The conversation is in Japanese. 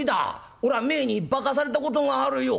おら前に化かされたことがあるよ」。